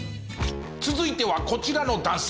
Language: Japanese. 続いてはこちらの男性。